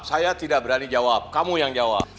saya tidak berani jawab kamu yang jawab